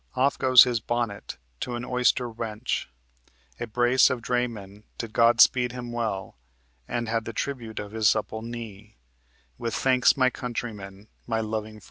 Off goes his bonnet to an oyster wench; A brace of draymen did God speed him well And had the tribute of his supple knee, With 'Thanks, my countrymen, my loving friends.'"